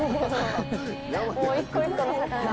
もう一個一個の坂が。